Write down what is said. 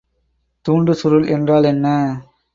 தூண்டுசுருள் என்றால் என்ன?